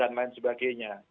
dan lain sebagainya